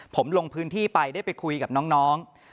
ผมลงพื้นที่ไปได้ไปคุยกับน้อง